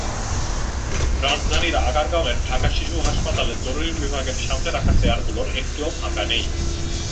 রাজধানীর আগারগাঁওয়ের ঢাকা শিশু হাসপাতালের জরুরি বিভাগের সামনে রাখা চেয়ারগুলোর একটিও ফাঁকা নেই।